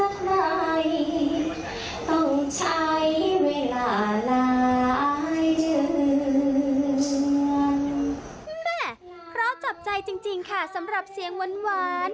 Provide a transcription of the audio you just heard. เพราะจับใจจริงค่ะสำหรับเสียงหวาน